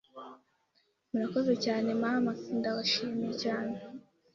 Murakoze cyane Mama! Ndabashimiye cyane!”